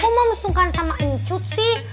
kok moms sungkan sama incut sih